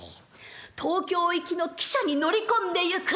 東京行きの汽車に乗り込んでゆく。